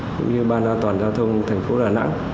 cũng như ban an toàn giao thông thành phố đà nẵng